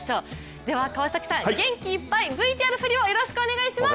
では川崎さん、元気いっぱいＶＴＲ振りをお願いします。